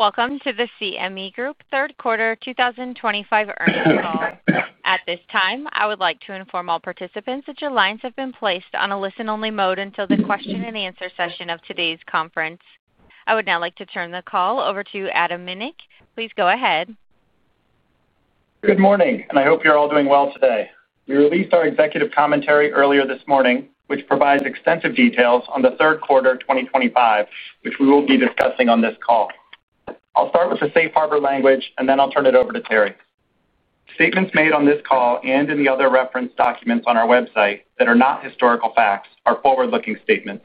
Welcome to the CME Group third quarter 2025 earnings call. At this time, I would like to inform all participants that your lines have been placed on a listen-only mode until the question and answer session of today's conference. I would now like to turn the call over to Adam Minick. Please go ahead. Good morning, and I hope you're all doing well today. We released our executive commentary earlier this morning, which provides extensive details on the third quarter 2025, which we will be discussing on this call. I'll start with the safe harbor language, and then I'll turn it over to Terry. Statements made on this call and in the other referenced documents on our website that are not historical facts are forward-looking statements.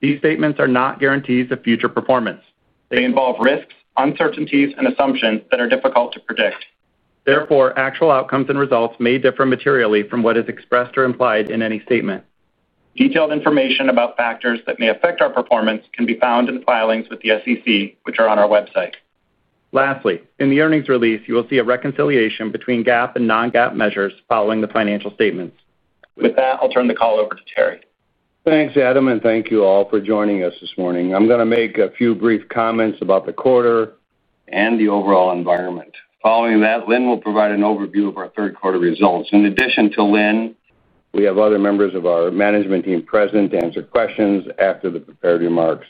These statements are not guarantees of future performance. They involve risks, uncertainties, and assumptions that are difficult to predict. Therefore, actual outcomes and results may differ materially from what is expressed or implied in any statement. Detailed information about factors that may affect our performance can be found in the filings with the SEC, which are on our website. Lastly, in the earnings release, you will see a reconciliation between GAAP and non-GAAP measures following the financial statements. With that, I'll turn the call over to Terry. Thanks, Adam, and thank you all for joining us this morning. I'm going to make a few brief comments about the quarter and the overall environment. Following that, Lynne will provide an overview of our third quarter results. In addition to Lynne, we have other members of our management team present to answer questions after the prepared remarks.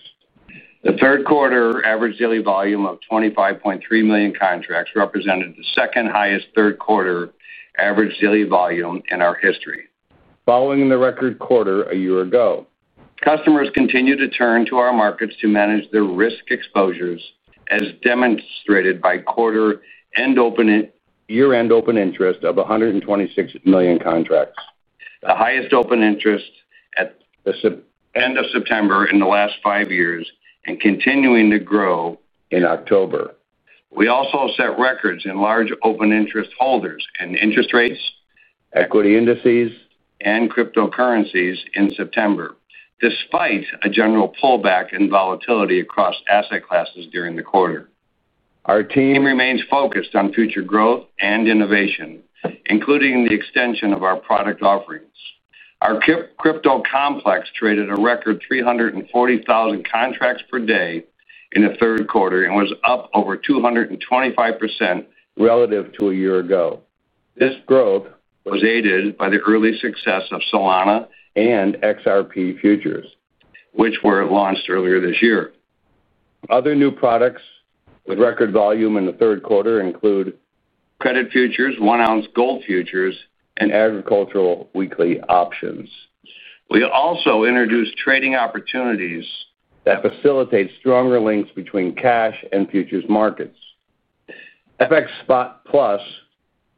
The third quarter average daily volume of 25.3 million contracts represented the second highest third quarter average daily volume in our history, following the record quarter a year ago. Customers continue to turn to our markets to manage their risk exposures, as demonstrated by quarter-end open interest of 126 million contracts, the highest open interest at the end of September in the last five years, and continuing to grow in October. We also set records in large open interest holders and interest rates, equity indices, and cryptocurrencies in September, despite a general pullback in volatility across asset classes during the quarter. Our team remains focused on future growth and innovation, including the extension of our product offerings. Our crypto complex traded a record 340,000 contracts per day in the third quarter and was up over 225% relative to a year ago. This growth was aided by the early success of Solana and XRP futures, which were launched earlier this year. Other new products with record volume in the third quarter include credit futures, 1-Ounce Gold futures, and agricultural weekly options. We also introduced trading opportunities that facilitate stronger links between cash and futures markets. FX Spot+,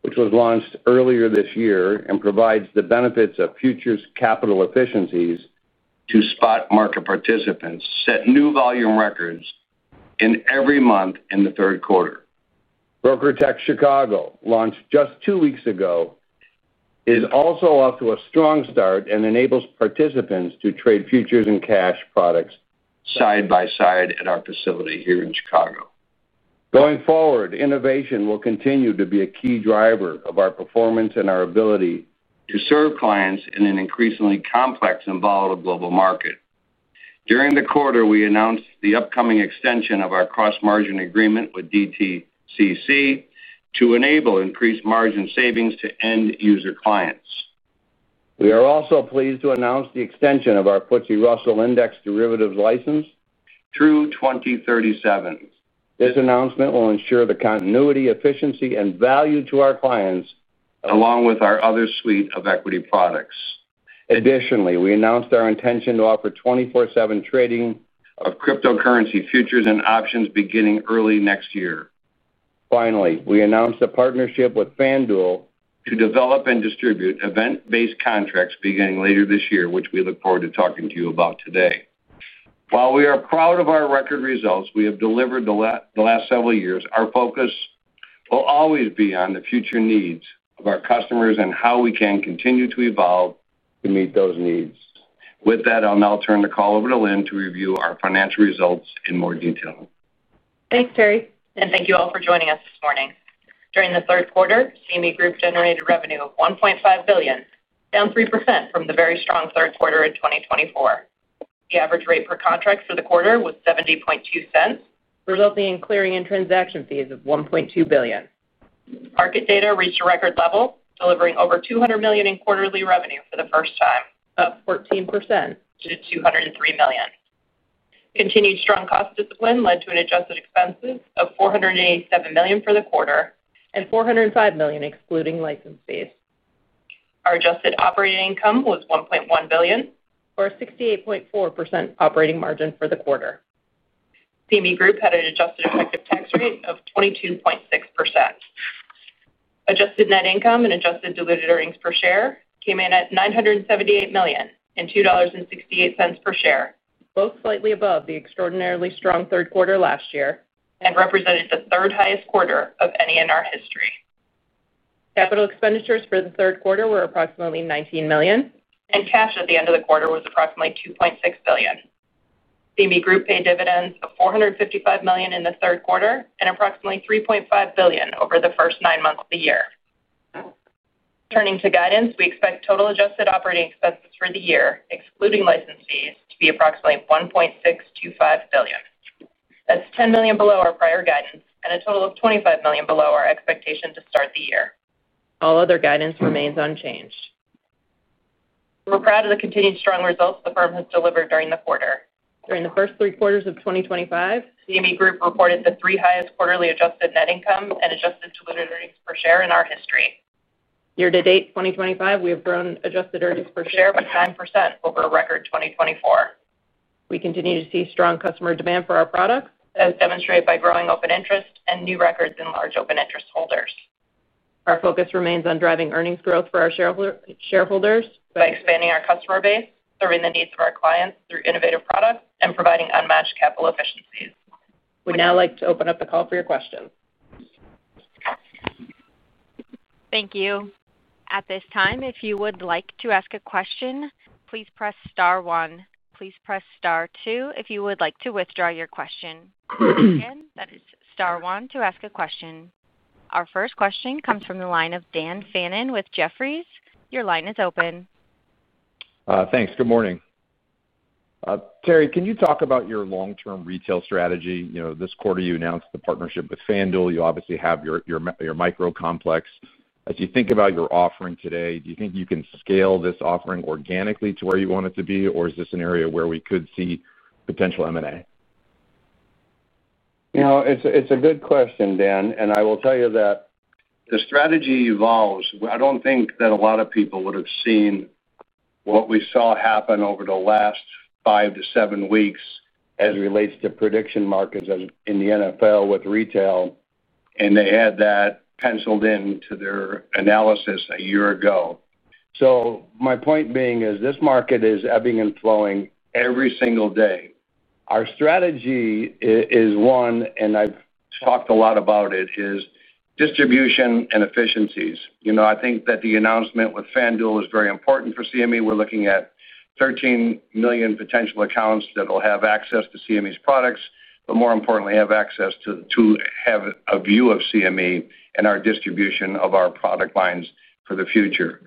which was launched earlier this year and provides the benefits of futures capital efficiencies to spot market participants, set new volume records in every month in the third quarter. BrokerTec Chicago, launched just two weeks ago, is also off to a strong start and enables participants to trade futures and cash products side by side at our facility here in Chicago. Going forward, innovation will continue to be a key driver of our performance and our ability to serve clients in an increasingly complex and volatile global market. During the quarter, we announced the upcoming extension of our cross-margin agreement with DTCC to enable increased margin savings to end-user clients. We are also pleased to announce the extension of our FTSE Russell Index derivatives license through 2037. This announcement will ensure the continuity, efficiency, and value to our clients, along with our other suite of equity products. Additionally, we announced our intention to offer 24/7 trading of cryptocurrency futures and options beginning early next year. Finally, we announced a partnership with FanDuel to develop and distribute event-based contracts beginning later this year, which we look forward to talking to you about today. While we are proud of our record results we have delivered the last several years, our focus will always be on the future needs of our customers and how we can continue to evolve to meet those needs. With that, I'll now turn the call over to Lynne to review our financial results in more detail. Thanks, Terry, and thank you all for joining us this morning. During the third quarter, CME Group generated revenue of $1.5 billion, down 3% from the very strong third quarter in 2024. The average rate per contract for the quarter was $0.702, resulting in clearing and transaction fees of $1.2 billion. Market data reached a record level, delivering over $200 million in quarterly revenue for the first time, up 14% to $203 million. Continued strong cost discipline led to adjusted expenses of $487 million for the quarter and $405 million excluding license fees. Our adjusted operating income was $1.1 billion, or a 68.4% operating margin for the quarter. CME Group had an adjusted effective tax rate of 22.6%. Adjusted net income and adjusted diluted earnings per share came in at $978 million and $2.68 per share, both slightly above the extraordinarily strong third quarter last year and represented the third highest quarter of any in our history. Capital expenditures for the third quarter were approximately $19 million, and cash at the end of the quarter was approximately $2.6 billion. CME Group paid dividends of $455 million in the third quarter and approximately $3.5 billion over the first nine months of the year. Turning to guidance, we expect total adjusted operating expenses for the year, excluding license fees, to be approximately $1.625 billion. That's $10 million below our prior guidance and a total of $25 million below our expectation to start the year. All other guidance remains unchanged. We're proud of the continued strong results the firm has delivered during the quarter. During the first three quarters of 2025, CME Group reported the three highest quarterly adjusted net income and adjusted diluted earnings per share in our history. Year to date 2025, we have grown adjusted earnings per share by 9% over a record 2024. We continue to see strong customer demand for our products, as demonstrated by growing open interest and new records in large open interest holders. Our focus remains on driving earnings growth for our shareholders by expanding our customer base, serving the needs of our clients through innovative products, and providing unmatched capital efficiencies. We'd now like to open up the call for your questions. Thank you. At this time, if you would like to ask a question, please press star one. Please press star two if you would like to withdraw your question. Again, that is star one to ask a question. Our first question comes from the line of Dan Fannon with Jefferies. Your line is open. Thanks. Good morning. Terry, can you talk about your long-term retail strategy? This quarter you announced the partnership with FanDuel. You obviously have your micro complex. As you think about your offering today, do you think you can scale this offering organically to where you want it to be, or is this an area where we could see potential M&A? You know, it's a good question, Dan, and I will tell you that the strategy evolves. I don't think that a lot of people would have seen what we saw happen over the last five to seven weeks as it relates to prediction markets in the NFL with retail, and they had that penciled into their analysis a year ago. My point being is this market is ebbing and flowing every single day. Our strategy is one, and I've talked a lot about it, is distribution and efficiencies. I think that the announcement with FanDuel is very important for CME Group. We're looking at 13 million potential accounts that will have access to CME Group's products, but more importantly, have access to have a view of CME Group and our distribution of our product lines for the future.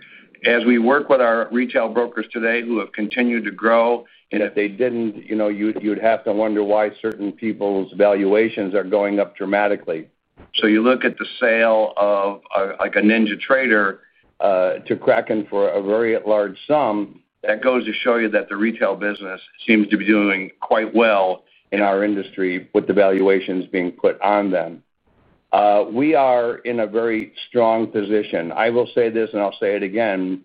As we work with our retail brokers today who have continued to grow, and if they didn't, you'd have to wonder why certain people's valuations are going up dramatically. You look at the sale of like a NinjaTrader to Kraken for a very large sum. That goes to show you that the retail business seems to be doing quite well in our industry with the valuations being put on them. We are in a very strong position. I will say this, and I'll say it again.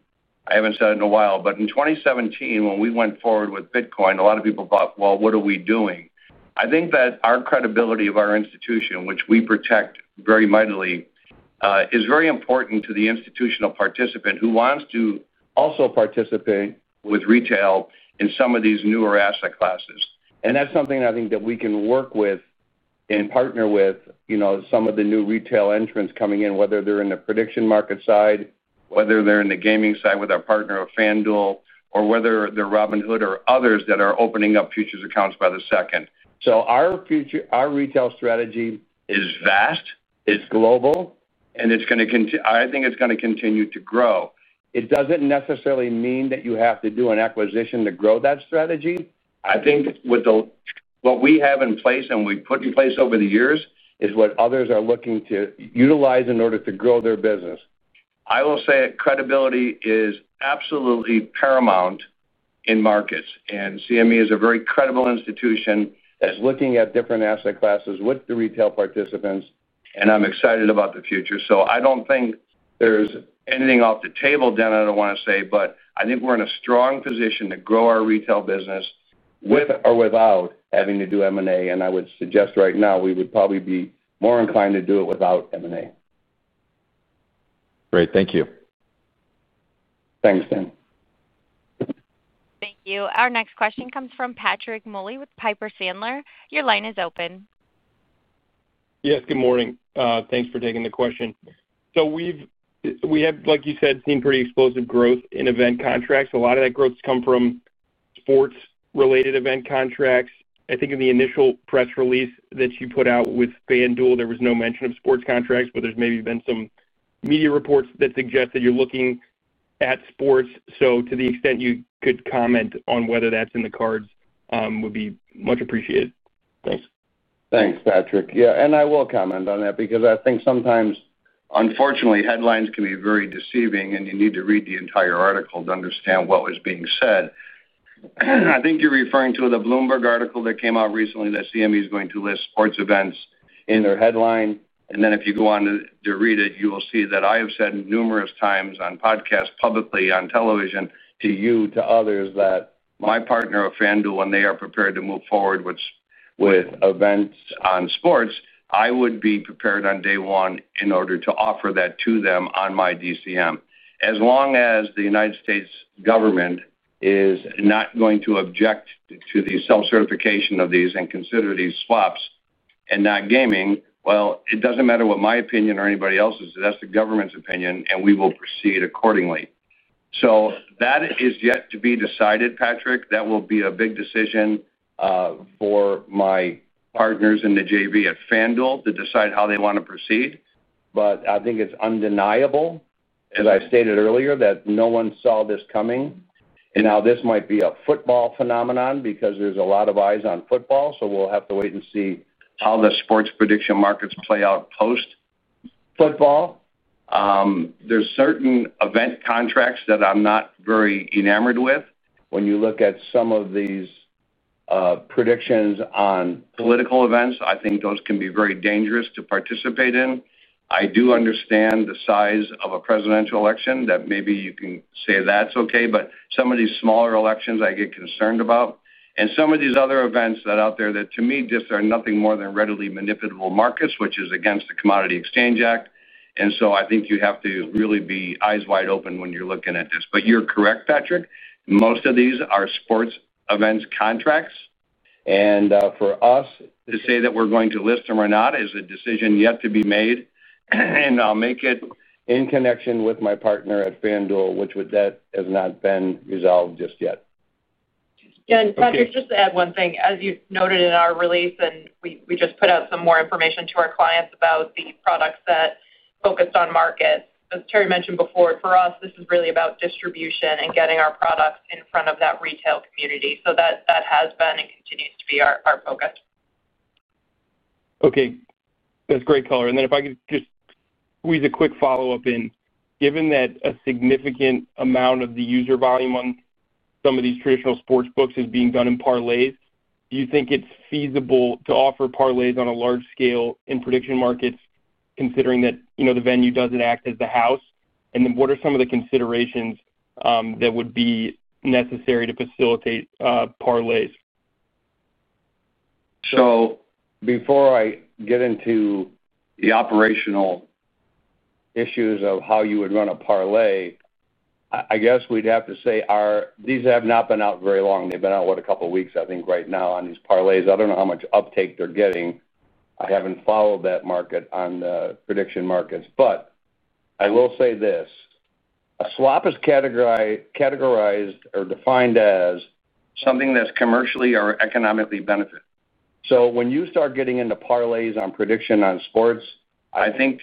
I haven't said it in a while, but in 2017, when we went forward with Bitcoin, a lot of people thought, well, what are we doing? I think that our credibility of our institution, which we protect very mightily, is very important to the institutional participant who wants to also participate with retail in some of these newer asset classes. That's something that I think that we can work with and partner with, some of the new retail entrants coming in, whether they're in the prediction market side, whether they're in the gaming side with our partner of FanDuel, or whether they're Robinhood or others that are opening up futures accounts by the second. Our future, our retail strategy is vast, it's global, and it's going to continue. I think it's going to continue to grow. It doesn't necessarily mean that you have to do an acquisition to grow that strategy. I think with what we have in place and we put in place over the years is what others are looking to utilize in order to grow their business. I will say credibility is absolutely paramount in markets, and CME Group is a very credible institution that's looking at different asset classes with the retail participants, and I'm excited about the future. I don't think there's anything off the table, Dan, I don't want to say, but I think we're in a strong position to grow our retail business with or without having to do M&A. I would suggest right now we would probably be more inclined to do it without M&A. Great. Thank you. Thanks, Dan. Thank you. Our next question comes from Patrick Moley with Piper Sandler. Your line is open. Yes, good morning. Thanks for taking the question. We've, like you said, seen pretty explosive growth in event contracts. A lot of that growth has come from sports-related event contracts. I think in the initial press release that you put out with FanDuel, there was no mention of sports contracts, but there's maybe been some media reports that suggested you're looking at sports. To the extent you could comment on whether that's in the cards, would be much appreciated. Thanks. Thanks, Patrick. I will comment on that because I think sometimes, unfortunately, headlines can be very deceiving, and you need to read the entire article to understand what was being said. I think you're referring to the Bloomberg article that came out recently that CME Group is going to list sports events in their headline. If you go on to read it, you will see that I have said numerous times on podcasts, publicly on television, to you, to others, that my partner at FanDuel, when they are prepared to move forward with events on sports, I would be prepared on day one in order to offer that to them on my DCM. As long as the U.S. government is not going to object to the self-certification of these and consider these swaps and not gaming, it doesn't matter what my opinion or anybody else's. That's the government's opinion, and we will proceed accordingly. That is yet to be decided, Patrick. That will be a big decision for my partners in the JV at FanDuel to decide how they want to proceed. I think it's undeniable, as I stated earlier, that no one saw this coming. This might be a football phenomenon because there's a lot of eyes on football. We'll have to wait and see how the sports prediction markets play out post-football. There are certain event contracts that I'm not very enamored with. When you look at some of these predictions on political events, I think those can be very dangerous to participate in. I do understand the size of a presidential election, that maybe you can say that's okay, but some of these smaller elections I get concerned about. Some of these other events that are out there, to me, just are nothing more than readily manipulable markets, which is against the Commodity Exchange Act. I think you have to really be eyes wide open when you're looking at this. You're correct, Patrick. Most of these are sports events contracts. For us to say that we're going to list them or not is a decision yet to be made. I'll make it in connection with my partner at FanDuel, which has not been resolved just yet. Patrick, just to add one thing, as you noted in our release, we just put out some more information to our clients about the products that focused on markets. As Terry mentioned before, for us, this is really about distribution and getting our products in front of that retail community. That has been and continues to be our focus. Okay. That's a great caller. If I could just squeeze a quick follow-up in, given that a significant amount of the user volume on some of these traditional sports books is being done in parlays, do you think it's feasible to offer parlays on a large scale in prediction markets, considering that, you know, the venue doesn't act as the house? What are some of the considerations that would be necessary to facilitate parlays? Before I get into the operational issues of how you would run a parlay, I guess we'd have to say these have not been out very long. They've been out, what, a couple of weeks, I think, right now on these parlays. I don't know how much uptake they're getting. I haven't followed that market on the prediction markets. I will say this. A swap is categorized or defined as something that's commercially or economically beneficial. When you start getting into parlays on prediction on sports, I think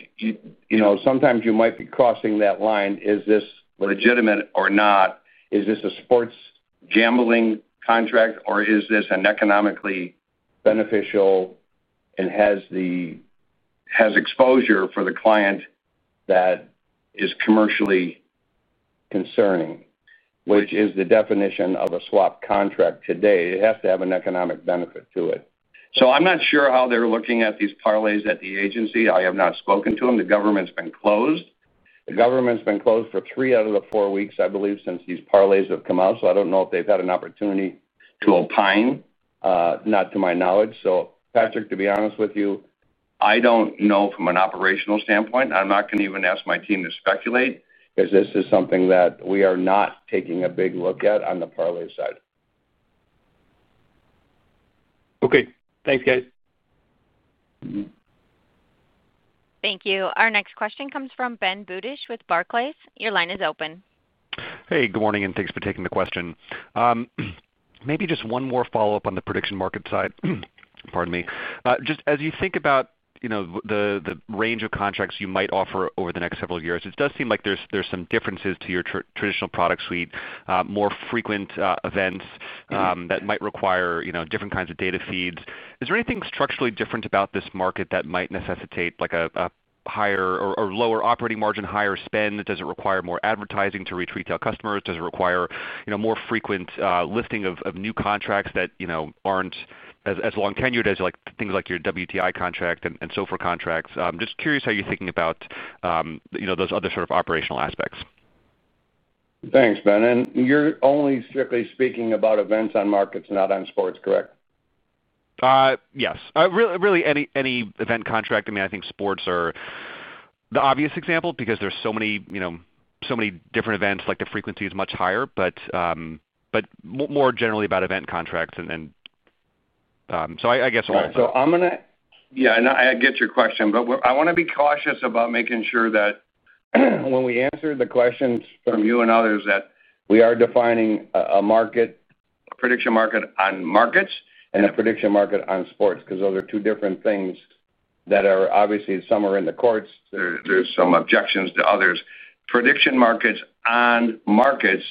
sometimes you might be crossing that line. Is this legitimate or not. Is this a sports gambling contract, or is this an economically beneficial and has the exposure for the client that is commercially concerning, which is the definition of a swap contract today. It has to have an economic benefit to it. I'm not sure how they're looking at these parlays at the agency. I have not spoken to them. The government's been closed. The government's been closed for three out of the four weeks, I believe, since these parlays have come out. I don't know if they've had an opportunity to opine, not to my knowledge. Patrick, to be honest with you, I don't know from an operational standpoint. I'm not going to even ask my team to speculate because this is something that we are not taking a big look at on the parlay side. Okay. Thanks, guys. Thank you. Our next question comes from Ben Budish with Barclays. Your line is open. Hey, good morning, and thanks for taking the question. Maybe just one more follow-up on the prediction market side. As you think about the range of contracts you might offer over the next several years, it does seem like there's some differences to your traditional product suite, more frequent events that might require different kinds of data feeds. Is there anything structurally different about this market that might necessitate a higher or lower operating margin, higher spend? Does it require more advertising to reach retail customers? Does it require more frequent lifting of new contracts that aren't as long tenured as things like your WTI contract and so forth contracts? I'm just curious how you're thinking about those other sort of operational aspects. Thanks, Ben. You're only strictly speaking about events on markets, not on sports, correct? Yes, really, really any event contract. I mean, I think sports are the obvious example because there's so many, you know, so many different events, like, the frequency is much higher. More generally about event contracts, I guess all. I'm going to, yeah, I get your question, but I want to be cautious about making sure that when we answer the questions from you and others that we are defining a market, a prediction market on markets, and a prediction market on sports because those are two different things that are obviously, some are in the courts. There are some objections to others. Prediction markets on markets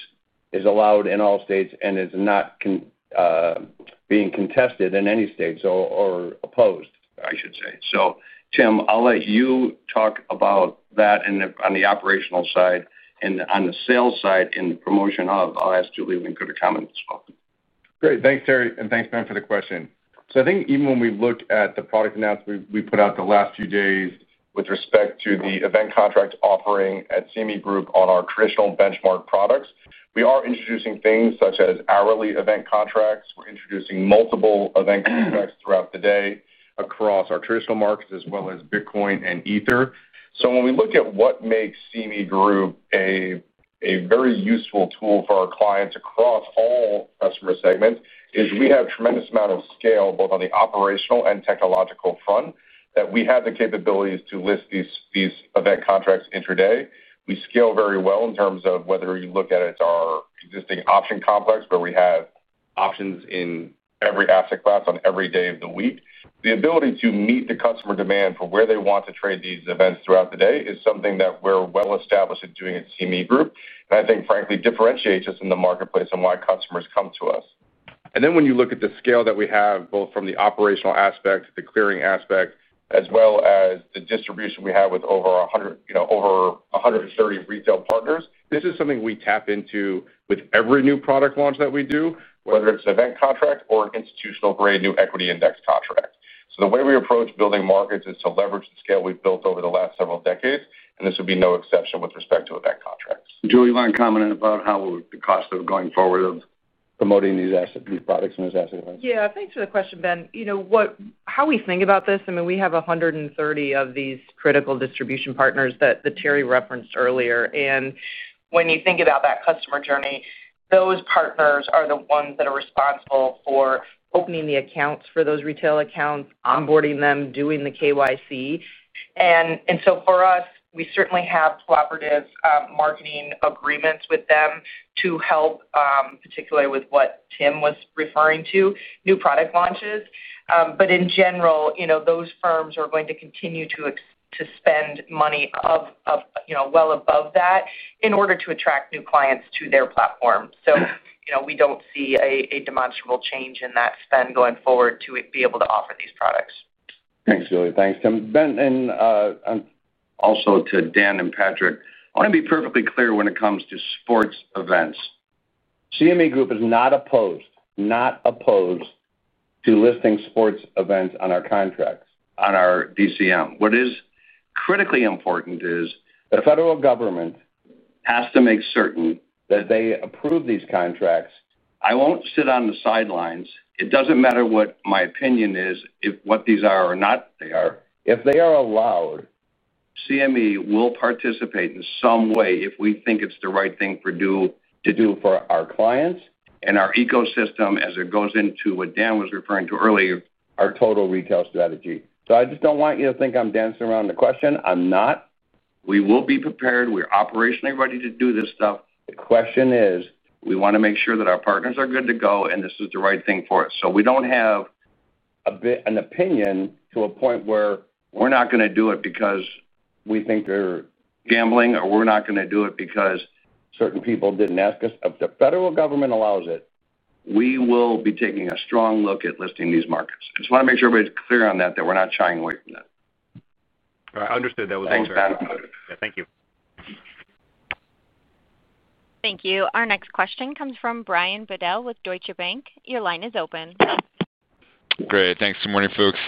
is allowed in all states and is not being contested in any states or opposed, I should say. Tim, I'll let you talk about that on the operational side and on the sales side and the promotion of. I'll ask Julie to comment as well. Great. Thanks, Terry, and thanks, Ben, for the question. I think even when we look at the product announcement we put out the last few days with respect to the event contract offering at CME Group on our traditional benchmark products, we are introducing things such as hourly event contracts. We're introducing multiple event contracts throughout the day across our traditional markets as well as Bitcoin and Ether. When we look at what makes CME Group a very useful tool for our clients across all customer segments, we have a tremendous amount of scale both on the operational and technological front that we have the capabilities to list these event contracts intraday. We scale very well in terms of whether you look at it as our existing option complex where we have options in every asset class on every day of the week. The ability to meet the customer demand for where they want to trade these events throughout the day is something that we're well established at doing at CME Group. I think, frankly, this differentiates us in the marketplace and why customers come to us. When you look at the scale that we have both from the operational aspect, the clearing aspect, as well as the distribution we have with over 100, you know, over 130 retail partners, this is something we tap into with every new product launch that we do, whether it's an event contract or an institutional-grade new equity index contract. The way we approach building markets is to leverage the scale we've built over the last several decades, and this would be no exception with respect to event contracts. Julie, you want to comment about how the cost of going forward of promoting these assets, these products in this asset class? Yeah, thanks for the question, Ben. You know, how we think about this, I mean, we have 130 of these critical distribution partners that Terry referenced earlier. When you think about that customer journey, those partners are the ones that are responsible for opening the accounts for those retail accounts, onboarding them, doing the KYC. For us, we certainly have cooperative marketing agreements with them to help, particularly with what Tim was referring to, new product launches. In general, those firms are going to continue to spend money, you know, well above that in order to attract new clients to their platform. We don't see a demonstrable change in that spend going forward to be able to offer these products. Thanks, Julie. Thanks, Tim. Ben, and also to Dan and Patrick, I want to be perfectly clear when it comes to sports events. CME Group is not opposed, not opposed to listing sports events on our contracts, on our DCM. What is critically important is the federal government has to make certain that they approve these contracts. I won't sit on the sidelines. It doesn't matter what my opinion is, if what these are or not they are. If they are allowed, CME will participate in some way if we think it's the right thing for CME to do for our clients and our ecosystem, as it goes into what Dan was referring to earlier, our total retail strategy. I just don't want you to think I'm dancing around the question. I'm not. We will be prepared. We're operationally ready to do this stuff. The question is, we want to make sure that our partners are good to go and this is the right thing for us. We don't have an opinion to a point where we're not going to do it because we think they're gambling or we're not going to do it because certain people didn't ask us. If the federal government allows it, we will be taking a strong look at listing these markets. I just want to make sure everybody's clear on that, that we're not shying away from that. I understood. That was excellent. Thanks, Ben. Thank you. Thank you. Our next question comes from Brian Bedell with Deutsche Bank. Your line is open. Great. Thanks. Good morning, folks.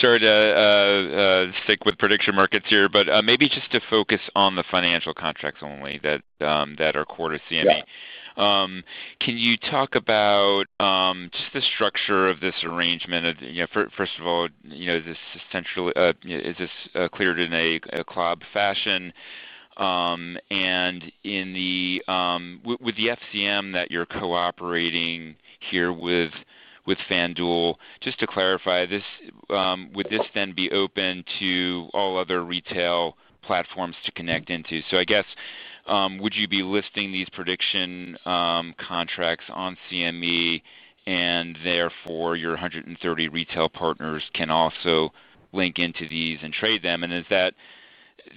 Sorry to stick with prediction markets here, but maybe just to focus on the financial contracts only that are at CME. Can you talk about just the structure of this arrangement? First of all, is this essentially cleared in a club fashion? With the FCM that you're cooperating here with FanDuel, just to clarify, would this then be open to all other retail platforms to connect into? I guess, would you be listing these prediction contracts on CME and therefore your 130 retail partners can also link into these and trade them? Is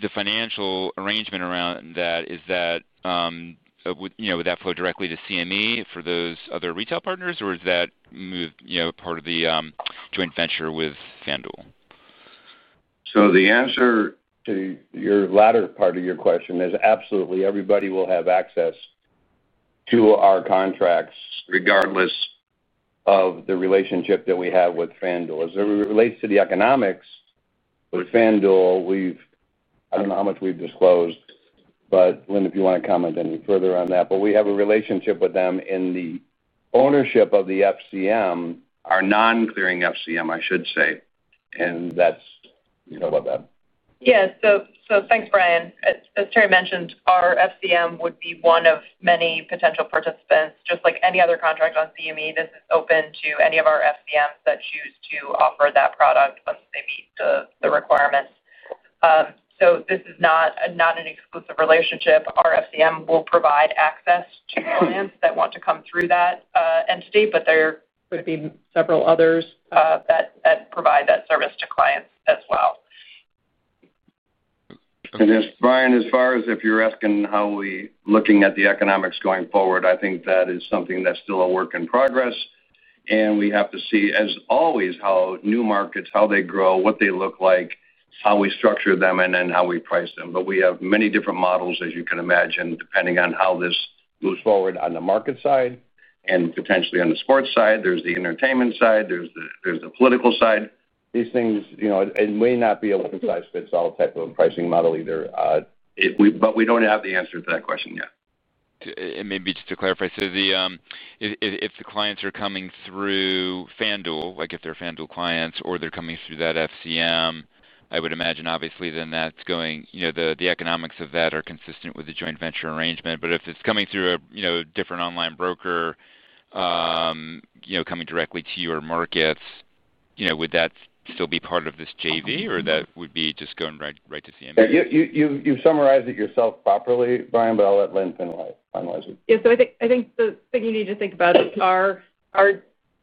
the financial arrangement around that, would that flow directly to CME for those other retail partners, or is that part of the joint venture with FanDuel? The answer to your latter part of your question is absolutely everybody will have access to our contracts regardless of the relationship that we have with FanDuel. As it relates to the economics, with FanDuel, I don't know how much we've disclosed, but Lynne, if you want to comment any further on that, we have a relationship with them in the ownership of the FCM, our non-clearing FCM, I should say. That's about that. Thanks, Brian. As Terry mentioned, our FCM would be one of many potential participants. Just like any other contract on CME Group, this is open to any of our FCMs that choose to offer that product once they meet the requirements. This is not an exclusive relationship. Our FCM will provide access to clients that want to come through that entity, but there could be several others that provide that service to clients as well. As far as if you're asking how we're looking at the economics going forward, I think that is something that's still a work in progress. We have to see, as always, how new markets, how they grow, what they look like, how we structure them, and then how we price them. We have many different models, as you can imagine, depending on how this moves forward on the market side. Potentially on the sports side, there's the entertainment side, there's the political side. These things, you know, it may not be a one-size-fits-all type of pricing model either, but we don't have the answer to that question yet. Maybe just to clarify, if the clients are coming through FanDuel, like if they're FanDuel clients or they're coming through that FCM, I would imagine, obviously, that's going, you know, the economics of that are consistent with the joint venture arrangement. If it's coming through a different online broker, coming directly to your markets, would that still be part of this JV or would that be just going right to CME Group? You've summarized it yourself properly, Brian, but I'll let Lynne finalize it. I think the thing you need to think about is our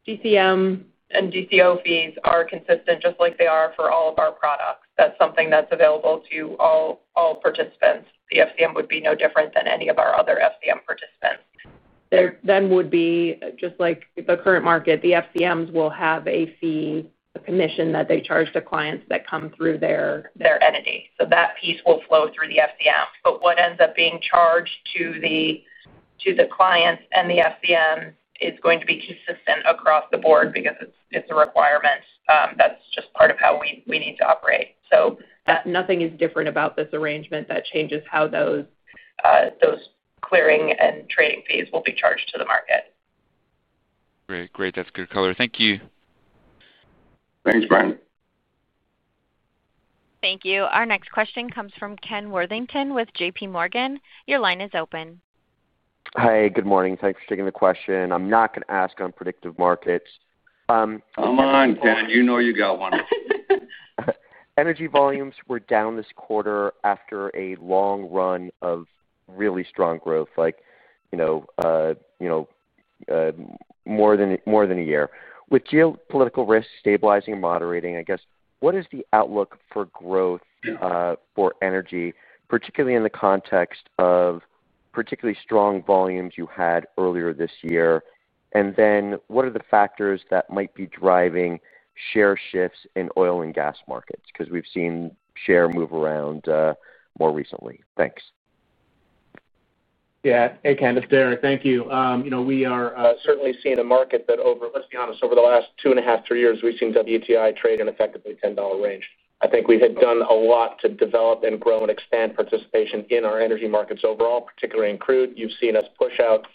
DCM and DCO fees are consistent just like they are for all of our products. That's something that's available to all participants. The FCM would be no different than any of our other FCM participants. Just like the current market, the FCMs will have a fee, a commission that they charge to clients that come through their entity. That piece will flow through the FCM. What ends up being charged to the clients and the FCM is going to be consistent across the board because it's a requirement. That's just part of how we need to operate. Nothing is different about this arrangement that changes how those clearing and trading fees will be charged to the market. Great. That's a good color. Thank you. Thanks, Brian. Thank you. Our next question comes from Ken Worthington with JPMorgan. Your line is open. Hi. Good morning. Thanks for taking the question. I'm not going to ask on predictive markets. Come on, Ken. You know you got one. Energy volumes were down this quarter after a long run of really strong growth, like, you know, more than a year. With geopolitical risks stabilizing and moderating, I guess, what is the outlook for growth, for energy, particularly in the context of particularly strong volumes you had earlier this year? What are the factors that might be driving share shifts in oil and gas markets? Because we've seen share move around more recently. Thanks. Yeah. Hey, Kenneth. Derek, thank you. We are certainly seeing the market that over, let's be honest, over the last two and a half, three years, we've seen WTI trade in effectively a $10 range. I think we had done a lot to develop and grow and expand participation in our energy markets overall, particularly in crude. You've seen us push out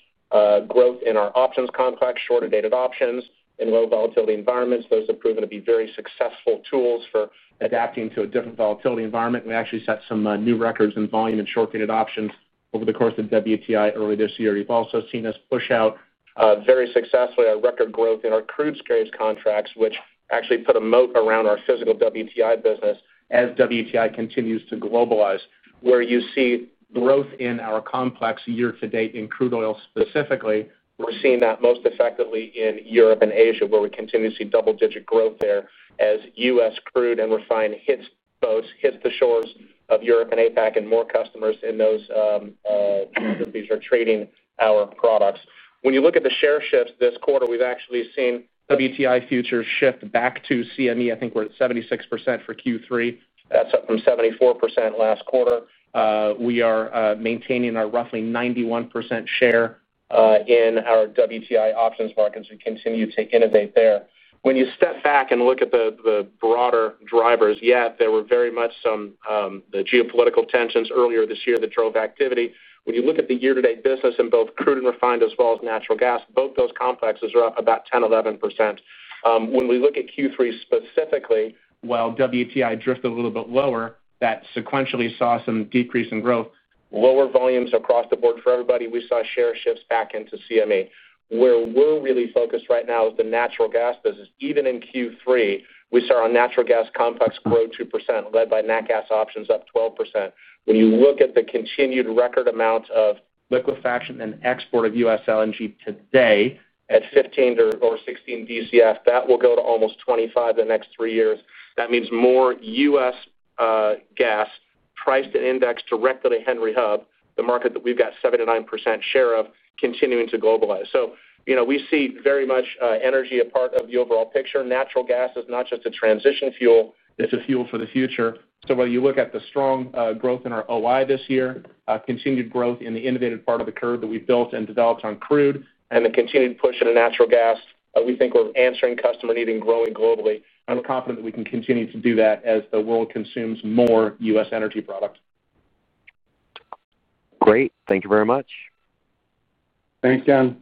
growth in our options complex, shorter-dated options in low volatility environments. Those have proven to be very successful tools for adapting to a different volatility environment. We actually set some new records in volume and short-dated options over the course of WTI earlier this year. You've also seen us push out very successfully our record growth in our crude scrape contracts, which actually put a moat around our physical WTI business as WTI continues to globalize. Where you see growth in our complex year to date in crude oil specifically, we're seeing that most effectively in Europe and Asia, where we continue to see double-digit growth there as U.S. crude and refined hits boats, hits the shores of Europe and APAC, and more customers in those countries are trading our products. When you look at the share shifts this quarter, we've actually seen WTI futures shift back to CME. I think we're at 76% for Q3. That's up from 74% last quarter. We are maintaining our roughly 91% share in our WTI options markets. We continue to innovate there. When you step back and look at the broader drivers, there were very much some geopolitical tensions earlier this year that drove activity. When you look at the year-to-date business in both crude and refined as well as natural gas, both those complexes are up about 10%, 11%. When we look at Q3 specifically, while WTI drifted a little bit lower, that sequentially saw some decrease in growth, lower volumes across the board for everybody. We saw share shifts back into CME. Where we're really focused right now is the natural gas business. Even in Q3, we saw our natural gas complex grow 2%, led by NACAS options up 12%. When you look at the continued record amounts of liquefaction and export of U.S. LNG today at 15 or 16 DCF, that will go to almost 25 in the next three years. That means more U.S. gas priced and indexed directly to Henry Hub, the market that we've got 7%-9% share of, continuing to globalize. You know, we see very much energy a part of the overall picture. Natural gas is not just a transition fuel. It's a fuel for the future. Whether you look at the strong growth in our open interest this year, continued growth in the innovative part of the curve that we've built and developed on crude, and the continued push into natural gas, we think we're answering customer need and growing globally. I'm confident that we can continue to do that as the world consumes more U.S. energy product. Great. Thank you very much. Thanks, Ken.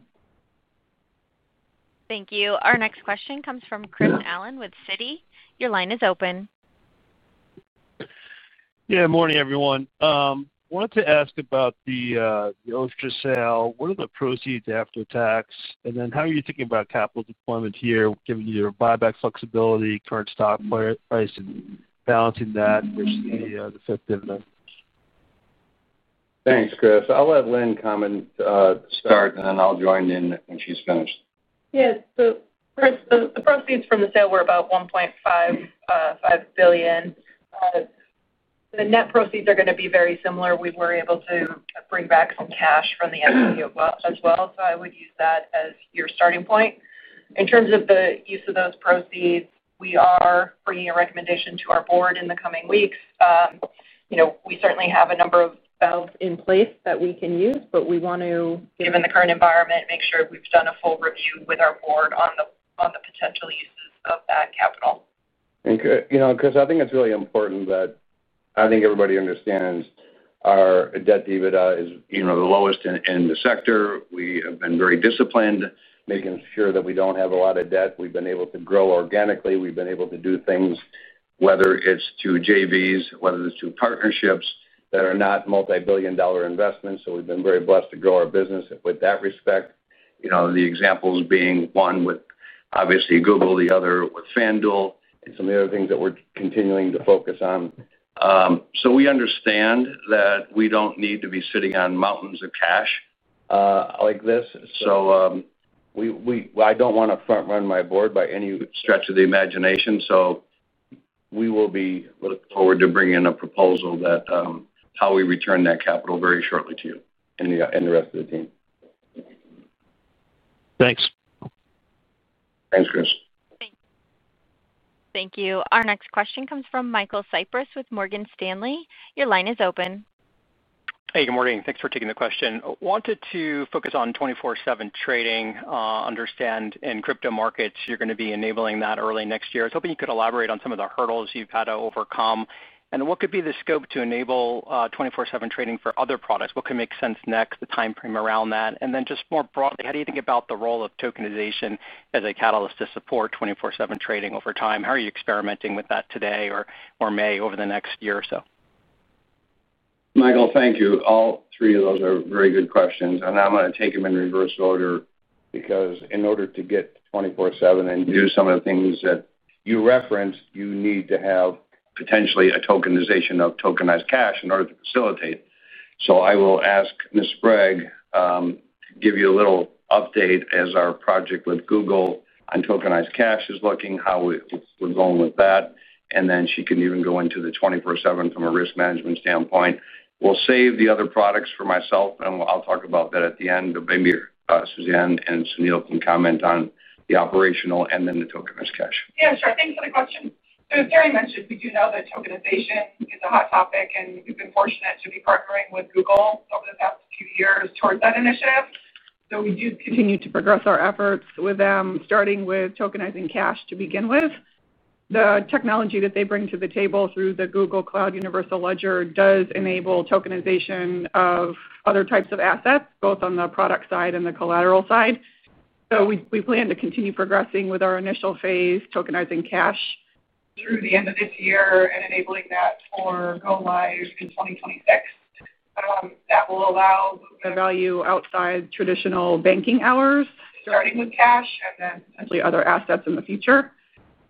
Thank you. Our next question comes from Chris Allen with Citi. Your line is open. Morning, everyone. I wanted to ask about the oyster sale. What are the proceeds after tax? How are you thinking about capital deployment here, given either buyback flexibility, current stock price, and balancing that versus the fifth dividend? Thanks, Chris. I'll let Lynne comment, start, and then I'll join in when she's finished. Yes. Chris, the proceeds from the sale were about $1.55 billion. The net proceeds are going to be very similar. We were able to bring back some cash from the equity as well. I would use that as your starting point. In terms of the use of those proceeds, we are bringing a recommendation to our board in the coming weeks. We certainly have a number of valves in place that we can use, but we want to, given the current environment, make sure we've done a full review with our board on the potential uses of that capital. Chris, I think it's really important that everybody understands our debt dividend is the lowest in the sector. We have been very disciplined making sure that we don't have a lot of debt. We've been able to grow organically. We've been able to do things, whether it's through JVs, whether it's through partnerships that are not multi-billion dollar investments. We've been very blessed to grow our business with that respect. The examples being one with obviously Google, the other with FanDuel, and some of the other things that we're continuing to focus on. We understand that we don't need to be sitting on mountains of cash like this. I don't want to front-run my board by any stretch of the imagination. We will be looking forward to bringing a proposal on how we return that capital very shortly to you and the rest of the team. Thanks. Thanks, Chris. Thank you. Our next question comes from Michael Cyprys with Morgan Stanley. Your line is open. Hey, good morning. Thanks for taking the question. I wanted to focus on 24/7 trading. I understand in crypto markets, you're going to be enabling that early next year. I was hoping you could elaborate on some of the hurdles you've had to overcome. What could be the scope to enable 24/7 trading for other products? What could make sense next, the timeframe around that? More broadly, how do you think about the role of tokenization as a catalyst to support 24/7 trading over time? How are you experimenting with that today or may over the next year or so? Michael, thank you. All three of those are very good questions. I'm going to take them in reverse order because in order to get 24/7 and do some of the things that you referenced, you need to have potentially a tokenization of tokenized cash in order to facilitate. I will ask Ms. Sprague to give you a little update as our project with Google on tokenized cash is looking, how we're going with that. She can even go into the 24/7 from a risk management standpoint. We'll save the other products for myself, and I'll talk about that at the end. Maybe, Suzanne and Sunil can comment on the operational and then the tokenized cash. Yeah, sure. Thanks for the question. As Terry mentioned, we do know that tokenization is a hot topic, and we've been fortunate to be partnering with Google over the past few years towards that initiative. We do continue to progress our efforts with them, starting with tokenizing cash to begin with. The technology that they bring to the table through the Google Cloud Universal Ledger does enable tokenization of other types of assets, both on the product side and the collateral side. We plan to continue progressing with our initial phase, tokenizing cash through the end of this year and enabling that for go live in 2026. That will allow the value outside traditional banking hours, starting with cash and then potentially other assets in the future.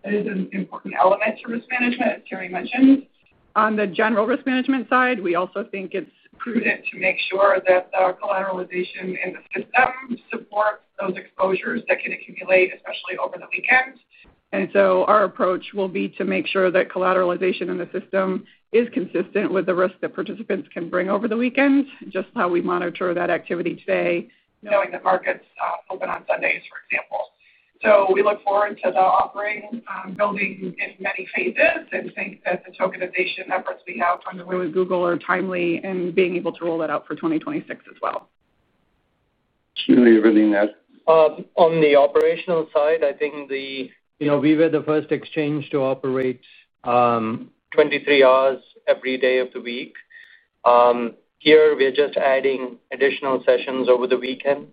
It is an important element for risk management, as Terry mentioned. On the general risk management side, we also think it's prudent to make sure that the collateralization in the system supports those exposures that can accumulate, especially over the weekend. Our approach will be to make sure that collateralization in the system is consistent with the risk that participants can bring over the weekends, just how we monitor that activity today, knowing that markets open on Sundays, for example. We look forward to the offering, building in many phases and think that the tokenization efforts we have underway with Google are timely in being able to roll that out for 2026 as well. Sunil, you're reading that. On the operational side, I think we were the first exchange to operate 23 hours every day of the week. Here, we're just adding additional sessions over the weekend.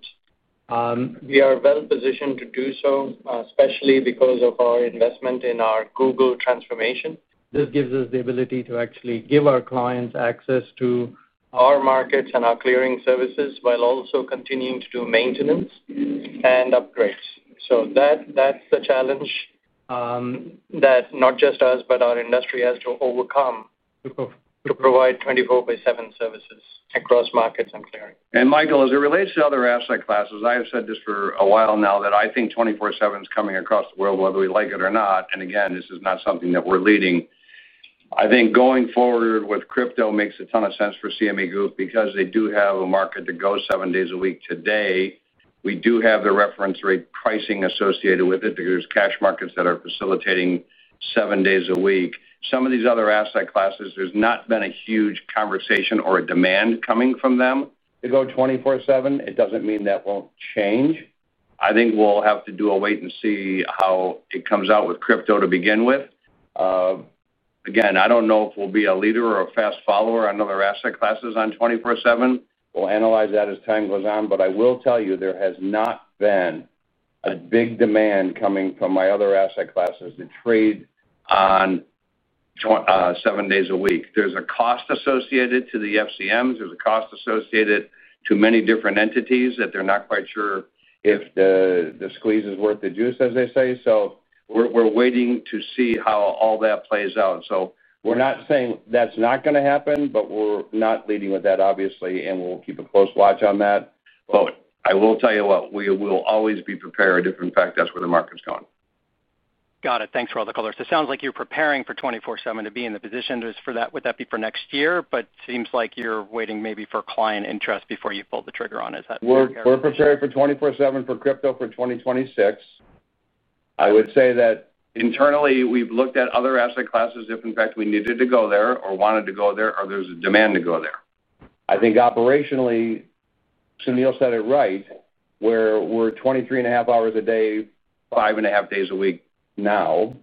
We are well-positioned to do so, especially because of our investment in our Google transformation. This gives us the ability to actually give our clients access to our markets and our clearing services while also continuing to do maintenance and upgrades. That's the challenge that not just us, but our industry has to overcome to provide 24/7 services across markets and clearing. Michael, as it relates to other asset classes, I have said this for a while now that I think 24/7 is coming across the world, whether we like it or not. This is not something that we're leading. I think going forward with crypto makes a ton of sense for CME Group because they do have a market to go seven days a week. Today, we do have the reference rate pricing associated with it because there's cash markets that are facilitating seven days a week. Some of these other asset classes, there's not been a huge conversation or a demand coming from them to go 24/7. It doesn't mean that won't change. I think we'll have to do a wait and see how it comes out with crypto to begin with. I don't know if we'll be a leader or a fast follower on other asset classes on 24/7. We'll analyze that as time goes on. I will tell you, there has not been a big demand coming from my other asset classes to trade on seven days a week. There's a cost associated to the FCMs. There's a cost associated to many different entities that they're not quite sure if the squeeze is worth the juice, as they say. We're waiting to see how all that plays out. We're not saying that's not going to happen, but we're not leading with that, obviously, and we'll keep a close watch on that. I will tell you what, we will always be prepared if, in fact, that's where the market's going. Got it. Thanks for all the color. It sounds like you're preparing for 24/7 to be in the position. Is that for next year? It seems like you're waiting maybe for client interest before you pull the trigger on it. Is that correct? We're preparing for 24/7 for crypto for 2026. I would say that internally, we've looked at other asset classes if, in fact, we needed to go there or wanted to go there or there's a demand to go there. I think operationally, Sunil said it right, where we're 23.5 hours a day, five and a half days a week now,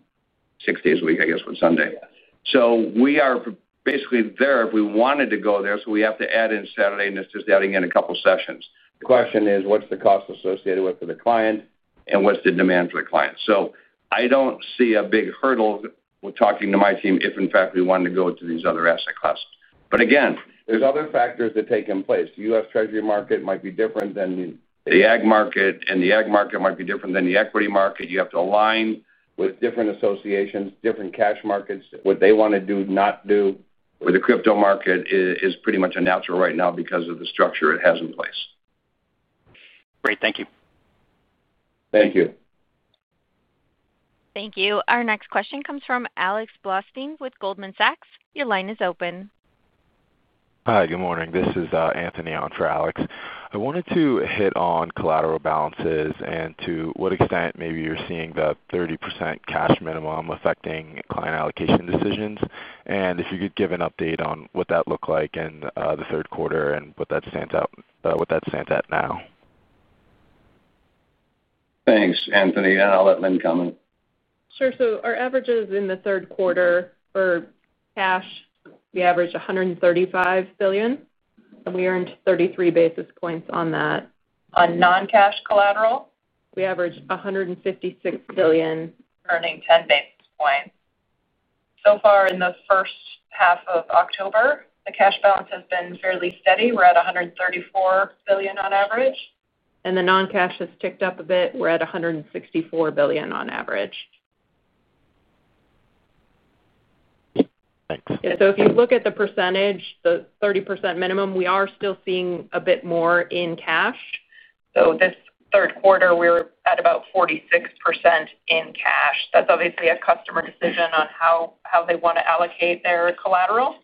six days a week, I guess, with Sunday. We are basically there if we wanted to go there. We have to add in Saturday, and it's just adding in a couple of sessions. The question is, what's the cost associated with it for the client and what's the demand for the client? I don't see a big hurdle with talking to my team if, in fact, we wanted to go to these other asset classes. There are other factors that take in place. The U.S. Treasury market might be different than the ag market, and the ag market might be different than the equity market. You have to align with different associations, different cash markets, what they want to do, not do. The crypto market is pretty much a natural right now because of the structure it has in place. Great. Thank you. Thank you. Thank you. Our next question comes from Alex Blostein with Goldman Sachs. Your line is open. Hi. Good morning. This is Anthony on for Alex. I wanted to hit on collateral balances and to what extent maybe you're seeing the 30% cash minimum affecting client allocation decisions. If you could give an update on what that looked like in the third quarter and what that stands at now. Thanks, Anthony. I'll let Lynne comment. Sure. Our averages in the third quarter for cash, we averaged $135 billion, and we earned 33 basis points on that. On non-cash collateral, we averaged $156 billion, earning 10 basis points. In the first half of October, the cash balance has been fairly steady. We're at $134 billion on average, and the non-cash has ticked up a bit. We're at $164 billion on average. Thanks. If you look at the percentage, the 30% minimum, we are still seeing a bit more in cash. This third quarter, we were at about 46% in cash. That's obviously a customer decision on how they want to allocate their collateral.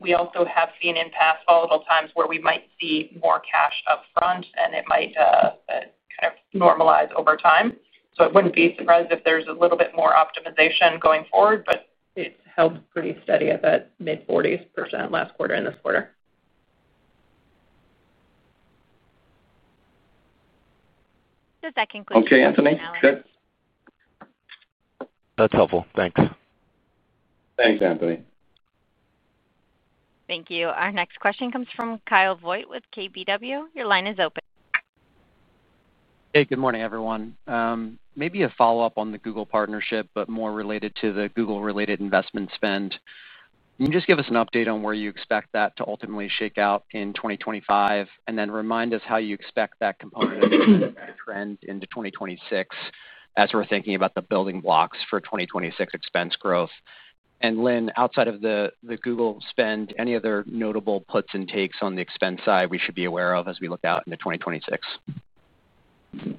We also have seen in past volatile times where we might see more cash upfront, and it might kind of normalize over time. I wouldn't be surprised if there's a little bit more optimization going forward, but it held pretty steady at that mid-40% last quarter and this quarter. Does that conclude? Okay, Anthony. Good. That's helpful. Thanks. Thanks, Anthony. Thank you. Our next question comes from Kyle Voigt with KBW. Your line is open. Hey, good morning, everyone. Maybe a follow-up on the Google partnership, but more related to the Google-related investment spend. Can you just give us an update on where you expect that to ultimately shake out in 2025? Remind us how you expect that component of that trend into 2026 as we're thinking about the building blocks for 2026 expense growth. Lynne, outside of the Google spend, any other notable puts and takes on the expense side we should be aware of as we look out into 2026? Thanks,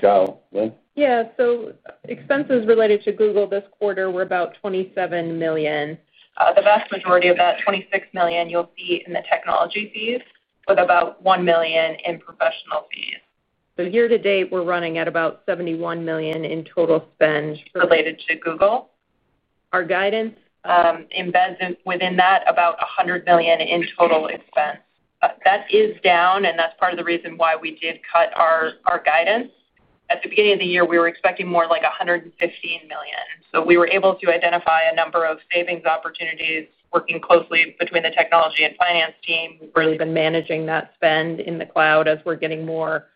Kyle. Lynne? Yeah. Expenses related to Google this quarter were about $27 million. The vast majority of that, $26 million, you'll see in the technology fees with about $1 million in professional fees. Year to date, we're running at about $71 million in total spend related to Google. Our guidance embeds within that about $100 million in total expense. That is down, and that's part of the reason why we did cut our guidance. At the beginning of the year, we were expecting more like $115 million. We were able to identify a number of savings opportunities working closely between the technology and finance team. We've really been managing that spend in the cloud as we're getting more,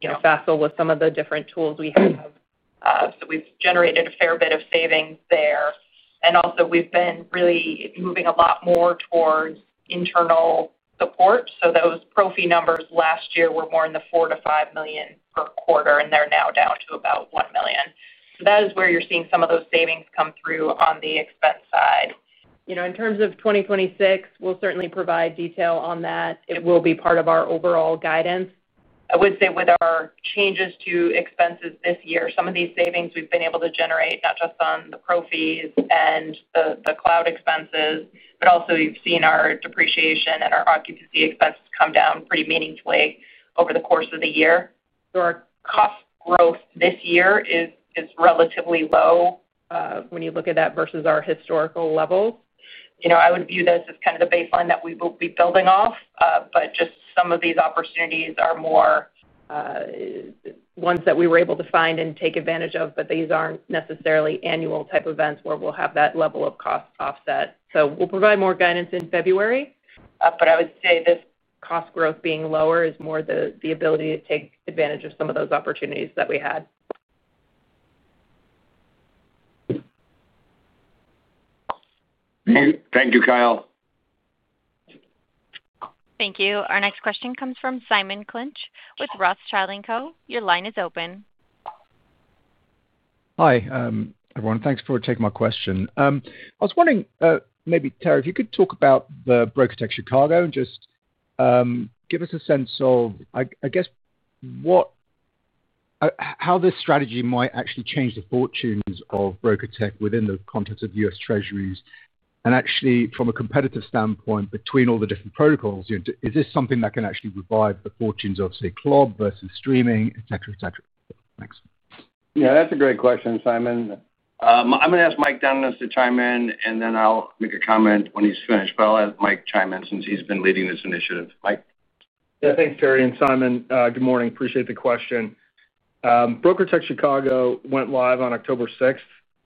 you know, facile with some of the different tools we have, so we've generated a fair bit of savings there. We've been really moving a lot more towards internal support. Those pro-fee numbers last year were more in the $4 million-$5 million per quarter, and they're now down to about $1 million. That is where you're seeing some of those savings come through on the expense side. In terms of 2026, we'll certainly provide detail on that. It will be part of our overall guidance. I would say with our changes to expenses this year, some of these savings we've been able to generate not just on the pro-fees and the cloud expenses, but also you've seen our depreciation and our occupancy expenses come down pretty meaningfully over the course of the year. Our cost growth this year is relatively low when you look at that versus our historical levels. I would view this as kind of the baseline that we will be building off, but just some of these opportunities are more ones that we were able to find and take advantage of, but these aren't necessarily annual-type events where we'll have that level of cost offset. We'll provide more guidance in February. I would say this cost growth being lower is more the ability to take advantage of some of those opportunities that we had. Thank you, Kyle. Thank you. Our next question comes from Simon Clinch with Rothschild & Co. Your line is open. Hi, everyone. Thanks for taking my question. I was wondering, maybe Terry, if you could talk about the BrokerTec Chicago and just give us a sense of, I guess, what how this strategy might actually change the fortunes of BrokerTec within the context of U.S. Treasuries and actually from a competitive standpoint between all the different protocols. You know, is this something that can actually revive the fortunes of, say, club versus streaming, etc., etc.? Thanks. Yeah, that's a great question, Simon. I'm going to ask Mike Dennis to chime in, and then I'll make a comment when he's finished. I'll ask Mike to chime in since he's been leading this initiative. Mike. Yeah, thanks, Terry and Simon. Good morning. Appreciate the question. BrokerTec Chicago went live on October 6th,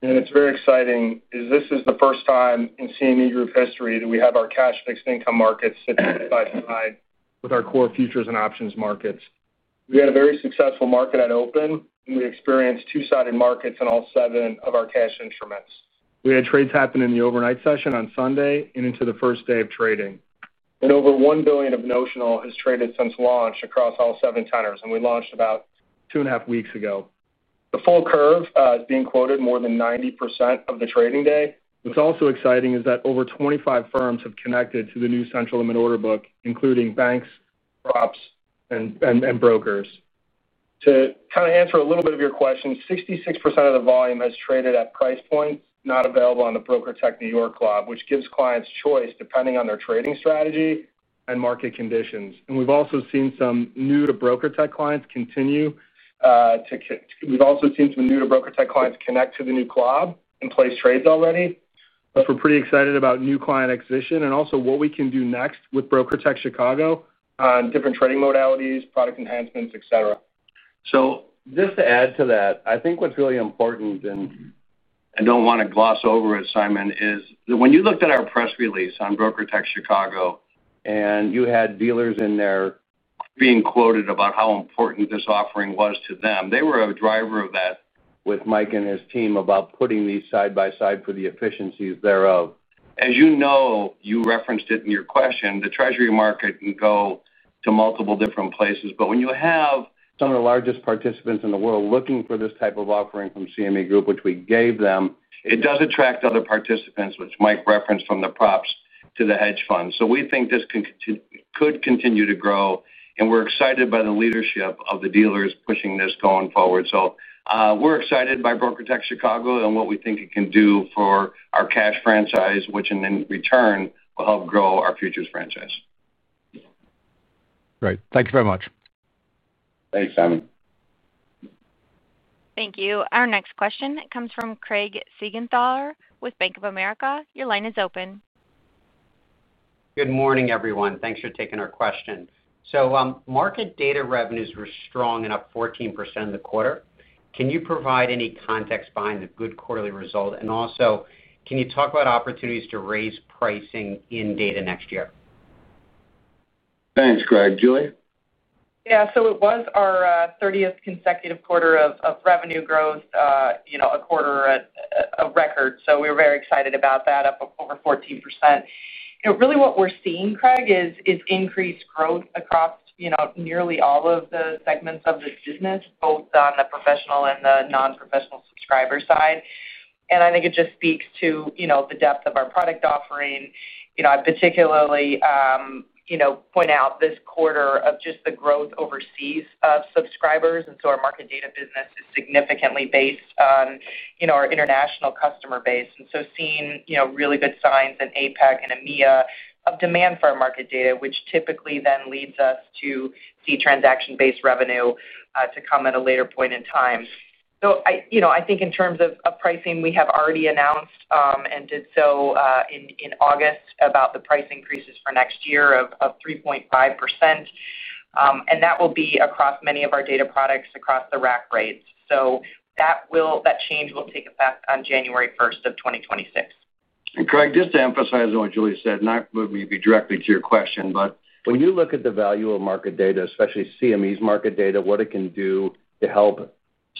and it's very exciting because this is the first time in CME Group history that we have our cash fixed income markets sit side by side with our core futures and options markets. We had a very successful market at open, and we experienced two-sided markets in all seven of our cash instruments. We had trades happen in the overnight session on Sunday and into the first day of trading. Over $1 billion of notional has traded since launch across all seven tenors, and we launched about two and a half weeks ago. The full curve is being quoted more than 90% of the trading day. What's also exciting is that over 25 firms have connected to the new central limit order book, including banks, props, and brokers. To kind of answer a little bit of your question, 66% of the volume has traded at price points not available on the BrokerTec New York club, which gives clients choice depending on their trading strategy and market conditions. We've also seen some new-to-BrokerTec clients connect to the new club and place trades already. We're pretty excited about new client acquisition and also what we can do next with BrokerTec Chicago, different trading modalities, product enhancements, etc. Just to add to that, I think what's really important, and I don't want to gloss over it, Simon, is that when you looked at our press release on BrokerTec Chicago and you had dealers in there being quoted about how important this offering was to them, they were a driver of that with Mike and his team about putting these side by side for the efficiencies thereof. As you know, you referenced it in your question, the Treasury market can go to multiple different places. When you have some of the largest participants in the world looking for this type of offering from CME Group, which we gave them, it does attract other participants, which Mike referenced from the props to the hedge funds. We think this could continue to grow, and we're excited by the leadership of the dealers pushing this going forward. We're excited by BrokerTec Chicago and what we think it can do for our cash franchise, which in return will help grow our futures franchise. Great. Thank you very much. Thanks, Simon. Thank you. Our next question comes from Craig Siegenthaler with Bank of America. Your line is open. Good morning, everyone. Thanks for taking our question. Market data revenues were strong and up 14% in the quarter. Can you provide any context behind the good quarterly result? Also, can you talk about opportunities to raise pricing in data next year? Thanks, Craig. Julie? Yeah. It was our 30th consecutive quarter of revenue growth, a quarter of record. We were very excited about that, up over 14%. What we're seeing, Craig, is increased growth across nearly all of the segments of the business, both on the professional and the non-professional subscriber side. I think it just speaks to the depth of our product offering. I particularly point out this quarter the growth overseas of subscribers. Our market data business is significantly based on our international customer base. Seeing really good signs in APAC and EMEA of demand for our market data, which typically then leads us to see transaction-based revenue to come at a later point in time. I think in terms of pricing, we have already announced, and did so in August, the price increases for next year of 3.5%. That will be across many of our data products across the rack rates. That change will take effect on January 1st of 2026. Craig, just to emphasize on what Julie said, not maybe directly to your question, but when you look at the value of market data, especially CME Group's market data, what it can do to help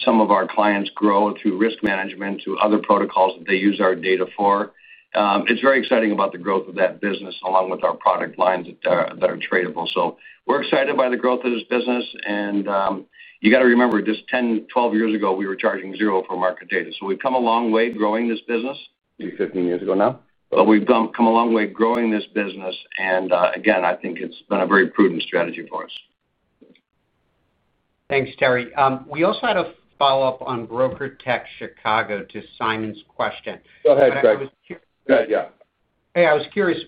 some of our clients grow through risk management, through other protocols that they use our data for, it's very exciting about the growth of that business along with our product lines that are tradable. We're excited by the growth of this business. You got to remember, just 10, 12 years ago, we were charging zero for market data. We've come a long way growing this business. Maybe 15 years ago now. We've come a long way growing this business. I think it's been a very prudent strategy for us. Thanks, Terry. We also had a follow-up on BrokerTec Chicago to Simon's question. Go ahead, Craig. I was curious. Go ahead. Hey, I was curious,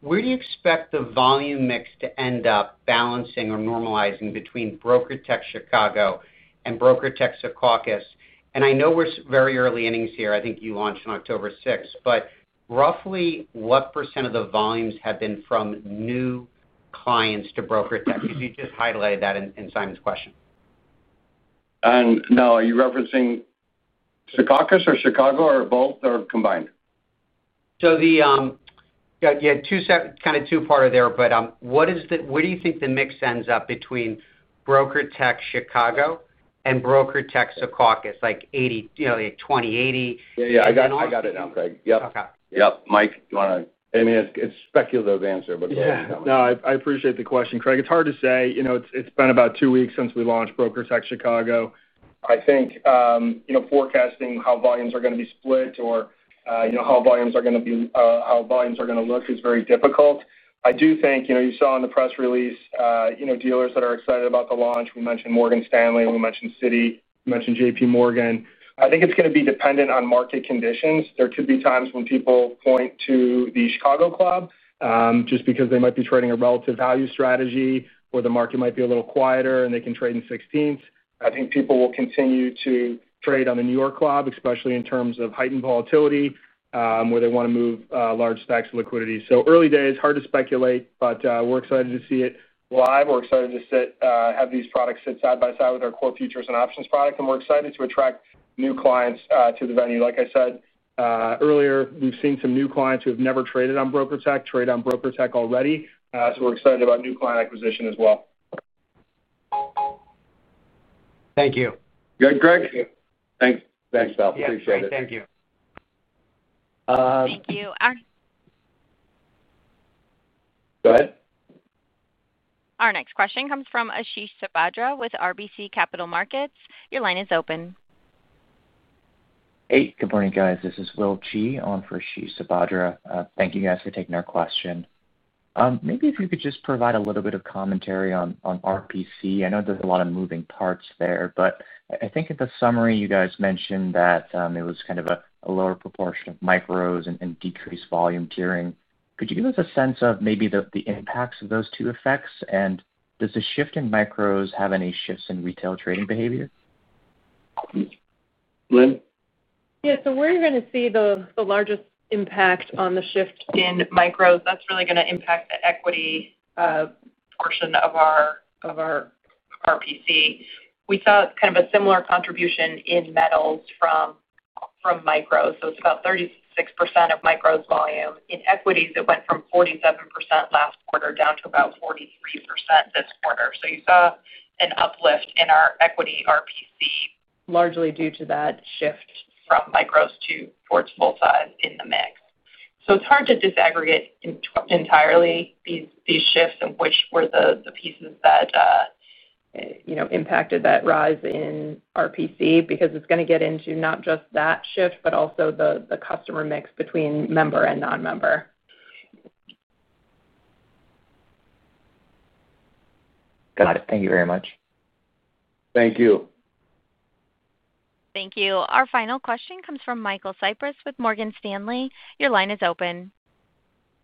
where do you expect the volume mix to end up balancing or normalizing between BrokerTec Chicago and BrokerTec Secaucus? I know we're very early innings here. I think you launched on October 6th. Roughly, what percentage of the volumes have been from new clients to BrokerTec? You just highlighted that in Simon's question. Are you referencing Secaucus or Chicago or both or combined? You had two kind of two-parted there. What is the, where do you think the mix ends up between BrokerTec Chicago and BrokerTec Secaucus? Like 80%, you know, like 20%, 80%? Yeah, I got it now, Craig. Yep. Okay. Mike, do you want to, I mean, it's a speculative answer, but go ahead. Yeah. No, I appreciate the question, Craig. It's hard to say. It's been about two weeks since we launched BrokerTec Chicago. I think forecasting how volumes are going to be split or how volumes are going to look is very difficult. I do think you saw in the press release dealers that are excited about the launch. We mentioned Morgan Stanley. We mentioned Citi. We mentioned JPMorgan. I think it's going to be dependent on market conditions. There could be times when people point to the Chicago club just because they might be trading a relative value strategy or the market might be a little quieter and they can trade in 16ths. I think people will continue to trade on the New York club, especially in terms of heightened volatility, where they want to move large stacks of liquidity. Early days, hard to speculate, but we're excited to see it live. We're excited to have these products sit side by side with our core futures and options product. We're excited to attract new clients to the venue. Like I said earlier, we've seen some new clients who have never traded on BrokerTec trade on BrokerTec already. We're excited about new client acquisition as well. Thank you. Good, Craig? Thanks. Appreciate it. Thank you. Thank you. Our. Go ahead. Our next question comes from Ashish Sabhadra with RBC Capital Markets. Your line is open. Hey, good morning, guys. This is Will Chi on for Ashish Sabhadra. Thank you guys for taking our question. Maybe if you could just provide a little bit of commentary on RPC. I know there's a lot of moving parts there, but I think in the summary, you guys mentioned that it was kind of a lower proportion of micros and decreased volume tiering. Could you give us a sense of maybe the impacts of those two effects? Does the shift in micros have any shifts in retail trading behavior? Lynne? Yeah. We're going to see the largest impact on the shift in micros. That's really going to impact the equity portion of our RPC. We saw a similar contribution in metals from micros. It's about 36% of micros volume. In equities, it went from 47% last quarter down to about 43% this quarter. You saw an uplift in our equity RPC largely due to that shift from micros towards full size in the mix. It's hard to disaggregate entirely these shifts and which were the pieces that impacted that rise in RPC because it's going to get into not just that shift, but also the customer mix between member and non-member. Got it. Thank you very much. Thank you. Thank you. Our final question comes from Michael Cyprys with Morgan Stanley. Your line is open.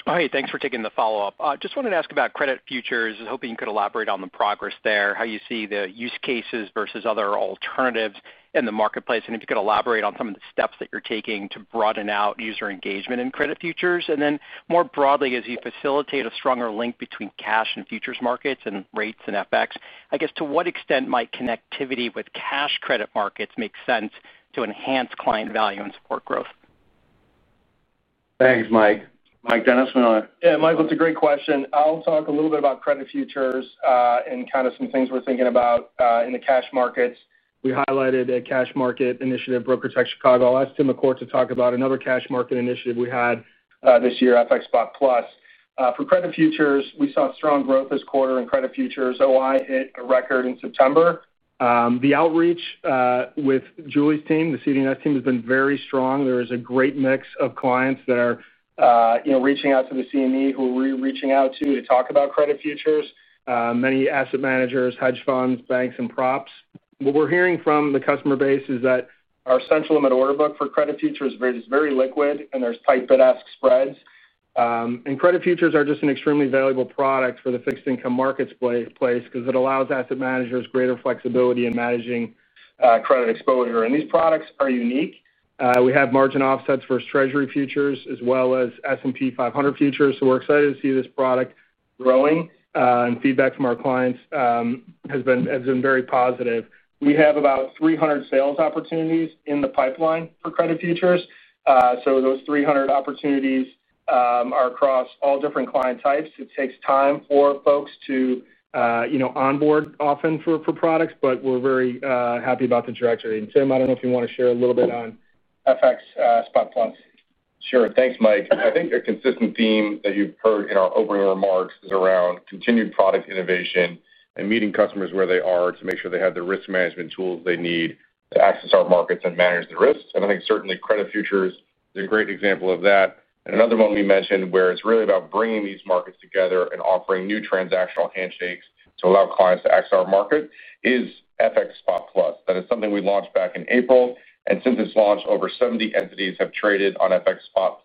Oh, hey, thanks for taking the follow-up. I just wanted to ask about credit futures. I was hoping you could elaborate on the progress there, how you see the use cases versus other alternatives in the marketplace. If you could elaborate on some of the steps that you're taking to broaden out user engagement in credit futures. More broadly, as you facilitate a stronger link between cash and futures markets and rates and FX, to what extent might connectivity with cash credit markets make sense to enhance client value and support growth? Thanks, Mike. Mike Dennis. Yeah, Michael, it's a great question. I'll talk a little bit about credit futures, and kind of some things we're thinking about in the cash markets. We highlighted a cash market initiative, BrokerTec Chicago. I'll ask Tim McCourt to talk about another cash market initiative we had this year, FX Spot+. For credit futures, we saw strong growth this quarter in credit futures. Open interest hit a record in September. The outreach with Julie's team, the CDNS team, has been very strong. There is a great mix of clients that are, you know, reaching out to CME Group who we're reaching out to to talk about credit futures. Many asset managers, hedge funds, banks, and props. What we're hearing from the customer base is that our central limit order book for credit futures is very liquid, and there's tight bid-ask spreads. Credit futures are just an extremely valuable product for the fixed income marketplace because it allows asset managers greater flexibility in managing credit exposure. These products are unique. We have margin offsets for Treasury futures as well as S&P 500 futures. We're excited to see this product growing, and feedback from our clients has been very positive. We have about 300 sales opportunities in the pipeline for credit futures. Those 300 opportunities are across all different client types. It takes time for folks to, you know, onboard often for products, but we're very happy about the trajectory. Tim, I don't know if you want to share a little bit on FX Spot+. Sure. Thanks, Mike. I think a consistent theme that you've heard in our opening remarks is around continued product innovation and meeting customers where they are to make sure they have the risk management tools they need to access our markets and manage the risks. I think certainly credit futures is a great example of that. Another one we mentioned where it's really about bringing these markets together and offering new transactional handshakes to allow clients to access our market is FX Spot+. That is something we launched back in April. Since its launch, over 70 entities have traded on FX Spot+,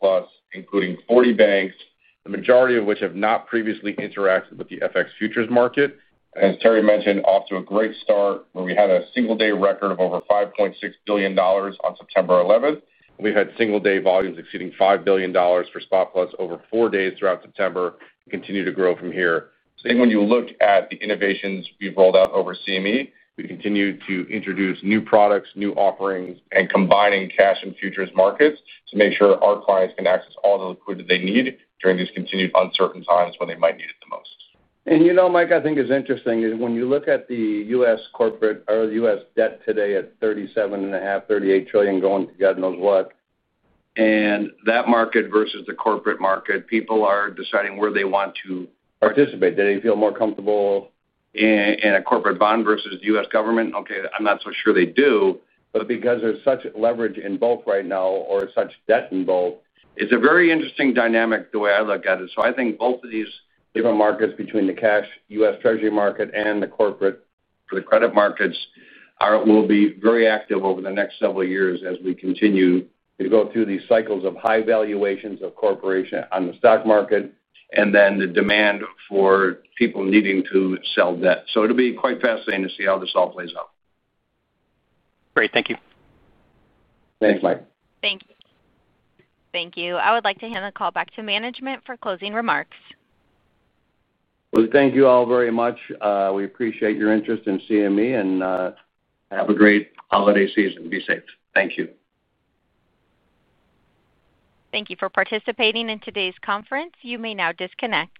including 40 banks, the majority of which have not previously interacted with the FX futures market. As Terry mentioned, off to a great start where we had a single-day record of over $5.6 billion on September 11th. We've had single-day volumes exceeding $5 billion for Spot+ over four days throughout September and continue to grow from here. Even when you look at the innovations we've rolled out over CME Group, we continue to introduce new products, new offerings, and combining cash and futures markets to make sure our clients can access all the liquidity they need during these continued uncertain times when they might need it the most. You know, Mike, I think it's interesting that when you look at the U.S. corporate or the U.S. debt today at $37.5 trillion-$38 trillion, going to God knows what. That market versus the corporate market, people are deciding where they want to participate. Do they feel more comfortable in a corporate bond versus the U.S. government? Okay, I'm not so sure they do. Because there's such leverage in both right now or such debt in both, it's a very interesting dynamic the way I look at it. I think both of these different markets between the cash U.S. Treasury market and the corporate for the credit markets will be very active over the next several years as we continue to go through these cycles of high valuations of corporation on the stock market and then the demand for people needing to sell debt. It'll be quite fascinating to see how this all plays out. Great. Thank you. Thanks, Mike. Thank you. I would like to hand the call back to management for closing remarks. Thank you all very much. We appreciate your interest in CME Group and have a great holiday season. Be safe. Thank you. Thank you for participating in today's conference. You may now disconnect.